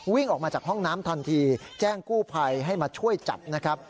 วิ่งออกมาจากห้องน้ำทันทีแจ้งกู้ภัยให้มาช่วยจับนะครับ